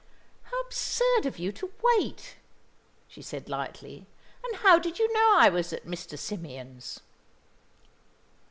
"How absurd of you to wait," she said lightly. "And how did you know I was at Mr. Symeon's?"